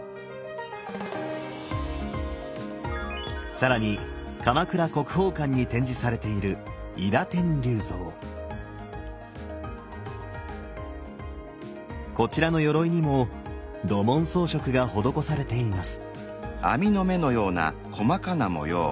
更に鎌倉国宝館に展示されているこちらのよろいにも土紋装飾が施されています。